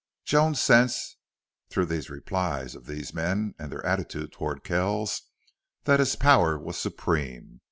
Joan sensed, through the replies of these men and their attitude toward Kells, that his power was supreme.